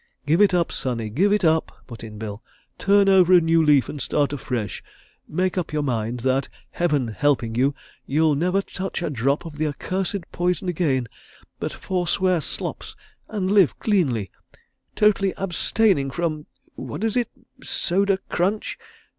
"Give it up, Sonny, give it up," put in Bill. "Turn over a new leaf and start afresh. Make up your mind that, Heaven helping you, you'll never touch a drop of the accursed poison again, but forswear slops and live cleanly; totally abstaining from—what is it?—soda crunch?